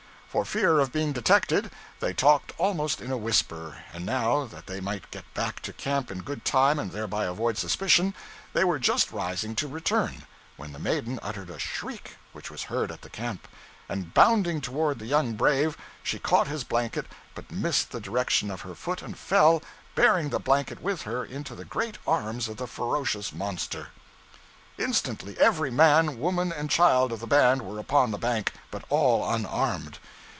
For fear of being detected, they talked almost in a whisper, and now, that they might get back to camp in good time and thereby avoid suspicion, they were just rising to return, when the maiden uttered a shriek which was heard at the camp, and bounding toward the young brave, she caught his blanket, but missed the direction of her foot and fell, bearing the blanket with her into the great arms of the ferocious monster. Instantly every man, woman, and child of the band were upon the bank, but all unarmed.